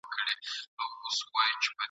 فېشن د هر نوي دور جامه ده !.